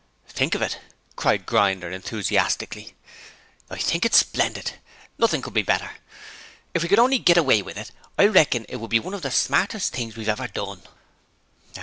'Think of it!' cried Grinder, enthusiastically. 'I think it's splendid! Nothing could be better. If we can honly git away with it, I reckon it'll be one of the smartest thing we've ever done.'